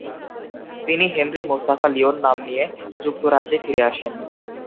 তিনি Henry Mustafa Leon নাম নিয়ে যুক্তরাজ্যে ফিরে আসেন।